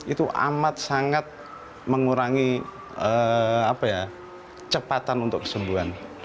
itu amat sangat mengurangi cepatan untuk kesembuhan